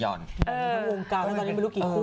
โยงกาวน์ตอนนี้ไม่รู้กี่คู่